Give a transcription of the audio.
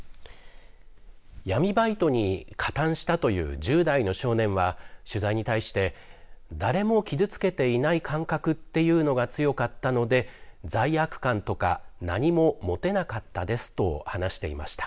闇バイトに加担したという１０代の少年は取材に対して誰も傷つけていない感覚っていうのは強かったので罪悪感とか何も持てなかったですと話していました。